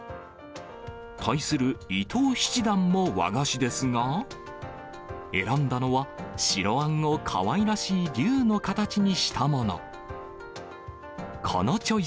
対する伊藤七段も和菓子ですが、選んだのは、白あんをかわいらしい龍の形にしたもの。